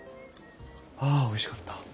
あおいしかった。